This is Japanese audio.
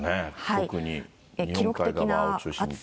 特に日本海側を中心とした。